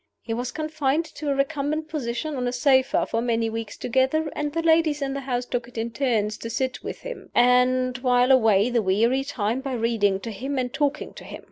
He was confined to a recumbent position on a sofa for many weeks together; and the ladies in the house took it in turns to sit with him, and while away the weary time by reading to him and talking to him.